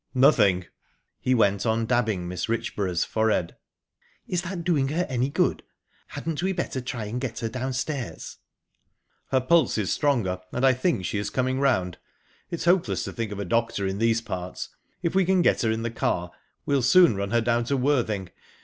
"Nothing." He went on dabbing Mrs. Richborough's forehead. "Is that doing her any good? Hadn't we better try and get her downstairs?" "Her pulse is stronger, and I think she is coming round. It's hopeless to think of a doctor in these parts. If we can get her in the car, we'll soon run her down to Worthing.